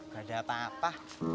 gak ada apa apa